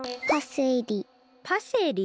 パセリ？